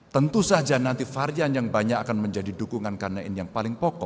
tentu saja nanti varian yang banyak akan menjadi dukungan karena ini yang paling pokok